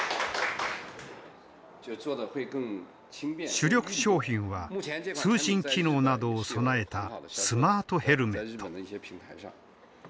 主力商品は通信機能などを備えたスマートヘルメット。